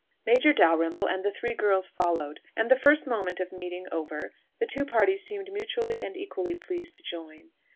Major Dalrymple and the three girls followed; and the first moment of meeting over, the two parties seemed mutually and equally pleased to join.